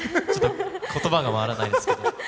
言葉が回らないですけど。